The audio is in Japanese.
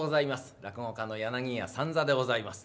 落語家の柳家三三でございます。